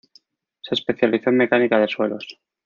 Se especializó en mecánica de suelos.